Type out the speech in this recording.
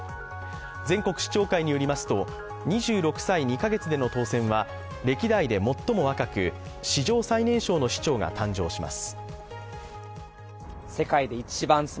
全国市長会によりますと２６歳２か月での当選は歴代で最も若く、史上最年少の市長が誕生します。